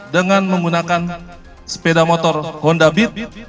dengan menggunakan sepeda motor honda bit